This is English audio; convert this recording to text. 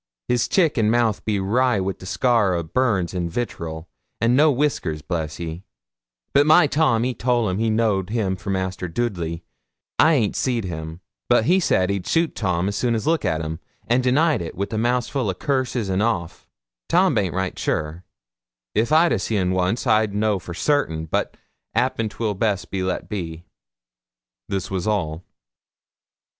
His chick and mouth be wry wi' scar o' burns or vitterel, an' no wiskers, bless you; but my Tom ee toll him he knowed him for Master Doodley. I ant seed him; but he sade ad shute Tom soon is look at 'im, an' denide it, wi' mouthful o' curses and oaf. Tom baint right shure; if I seed un wons i'd no for sartin; but 'appen,'twil best be let be.' This was all.